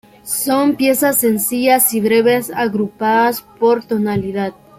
Son piezas sencillas y breves, agrupadas por tonalidad.